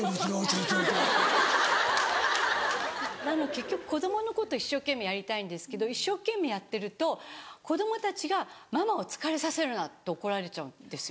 結局子供のこと一生懸命やりたいんですけど一生懸命やってると子供たちが「ママを疲れさせるな」って怒られちゃうんですよ。